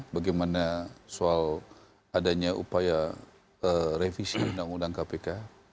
bagaimana soal adanya upaya revisi undang undang kpk